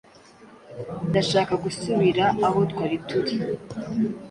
Ndashaka gusubira aho twari turi.